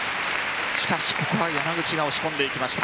しかし、ここは山口が押し込んできました。